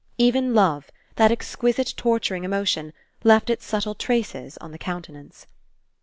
Even love, that exquisite tor turing emotion, left its subtle traces on the countenance.